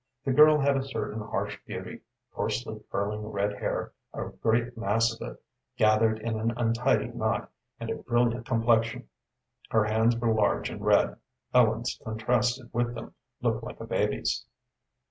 The girl had a certain harsh beauty, coarsely curling red hair, a great mass of it, gathered in an untidy knot, and a brilliant complexion. Her hands were large and red. Ellen's contrasted with them looked like a baby's.